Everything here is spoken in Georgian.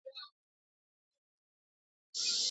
მისი შენობები და ტაძარი გადააქციეს საცხოვრებლად.